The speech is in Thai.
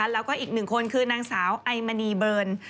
แล้วก็อีกหนึ่งคนคือนางสาวไอมณีเบิร์น